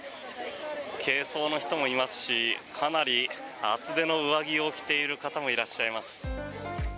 軽装の人もいますしかなり厚手の上着を着ている方もいらっしゃいます。